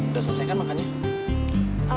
udah selesai kan makan ya